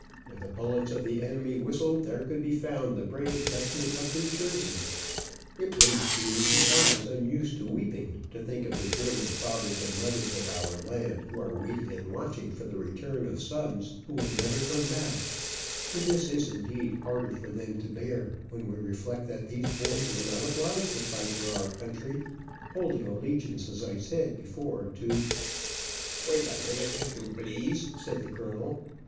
Where the bullets of the enemy whistled, there could be found the brave Dutchmen of New Jersey. It brings tears to eyes unused to weeping, to think of the German fathers and mothers of our land, who are waiting and watching for the return of sons who will never come back, and this is, indeed, harder for them to bear, when we reflect that these boys were not obliged to fight for our country, holding allegiance, as I said before to " "Waid a minute, of you blease," said the colonel.